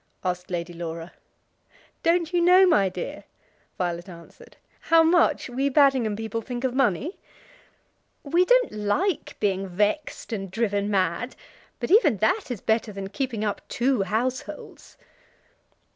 asked Lady Laura. "Don't you know, my dear," Violet answered, "how much we Baddingham people think of money? We don't like being vexed and driven mad, but even that is better than keeping up two households."